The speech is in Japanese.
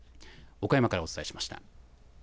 岡山からお伝えしました。